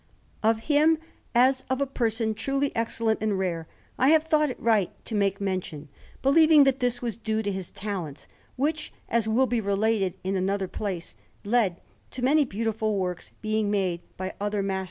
Of him, as of a person truly excellent and rare, I have thought it right to make mention, believing that this was due to his talents, which, as will be related in another place, led to many beautiful works being made by other masters after him.